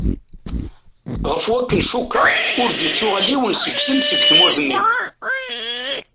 Ɣef wakk-n cukkeɣ, ur d-yettuɣal yiwen seg-sen seg tmurt-nni.